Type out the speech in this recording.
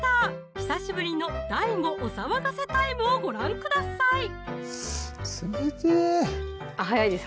久しぶりのＤＡＩＧＯお騒がせタイムをご覧ください冷てあっ早いです